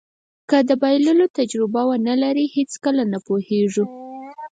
که د بایللو تجربه ونلرئ هېڅکله نه پوهېږو.